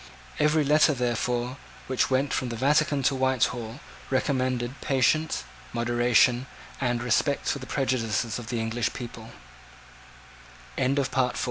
Every letter, therefore, which went from the Vatican to Whitehall, recommended patience, moderation, and respect for the prejudices of the English p